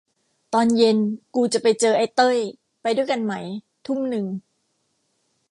ตอนเย็นกูจะไปเจอไอ้เต้ย ไปด้วยกันไหม ทุ่มนึง